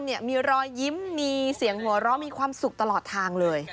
เนี่ยมีรอยยิ้มมีเสียงหัวเราะมีความสุขตลอดทางเลย